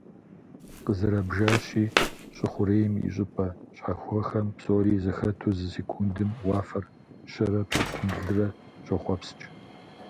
Къызэрабжащи, щӏы хъурейм и щӀыпӀэ щхьэхуэхэм псори зэхэту зы секундым уафэр щэрэ пщӏыукӏублырэ щохъуэпскӀ.